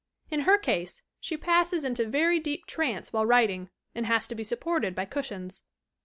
In her case, she passes into very deep trance while writing and has to be supported by cushions.